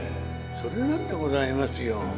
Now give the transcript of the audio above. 「それなんでございますよ。